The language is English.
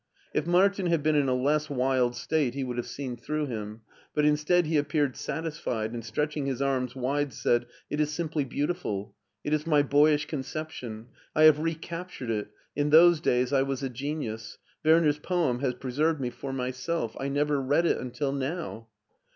If Martin had been in a less wild state he would have seen through him, but instead he appeared satis fied, and stretching his arms wide said :" It is simply beautiful. It is my boyish conception. I have recaptured it: in those days I was a genius. Werner's poem has preserved me for myself. I never read it until now."